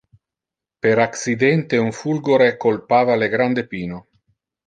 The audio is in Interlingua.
Per accidente un fulgure colpava le grande pino.